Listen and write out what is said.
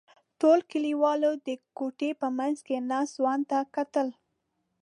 ټولو کلیوالو د کوټې په منځ کې ناست ځوان ته کتل.